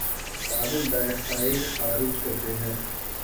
carbon dioxide خارج کرتے ہیں